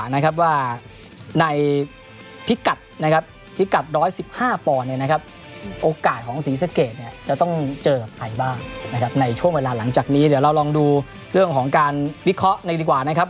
ในช่วงเวลาหลังจากนี้เดี๋ยวเราลองดูเรื่องของการวิเคราะห์ดีกว่านะครับ